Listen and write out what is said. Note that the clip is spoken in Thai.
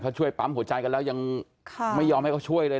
เขาช่วยปั๊มหัวใจกันแล้วยังไม่ยอมให้เขาช่วยเลย